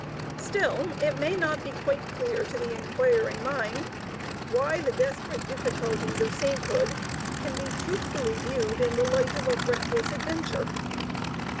Still it may not be quite clear to the inquiring mind why the desperate difficulties of sainthood can be truthfully viewed in the light of a breathless adventure.